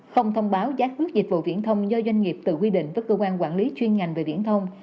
không thông báo giá cước dịch vụ viễn thông do doanh nghiệp tự quy định với cơ quan quản lý chuyên ngành về viễn thông